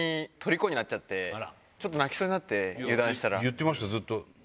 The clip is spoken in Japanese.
言ってましたずっと。